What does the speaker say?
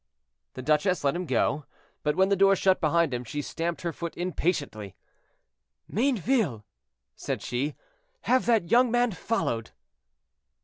The duchess let him go, but when the door shut behind him, she stamped her foot impatiently. "Mayneville," said she, "have that young man followed."